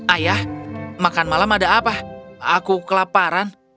ayah makan malam ada apa aku kelaparan